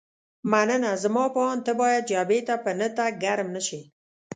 مننه، زما په اند ته باید جبهې ته په نه تګ ګرم نه شې.